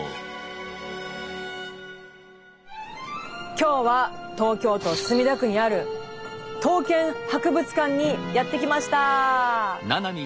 今日は東京都墨田区にある刀剣博物館にやって来ました。